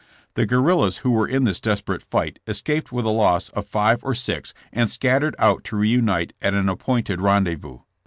The guerrillas who were in this desperate fight escaped with a loss of five or six and scattered out to reunite at an appointed rendezvous.